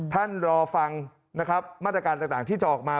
ท่านรอฟังมาตรการต่างที่จะออกมา